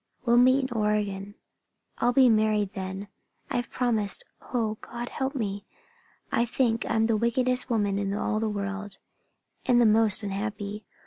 We'll meet in Oregon? I'll be married then. I've promised. Oh, God help me! I think I'm the wickedest woman in all the world, and the most unhappy.